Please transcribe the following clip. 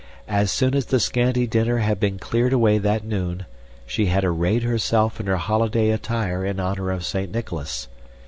As soon as the scanty dinner had been cleared away that noon, she had arrayed herself in her holiday attire in honor of Saint Nicholas.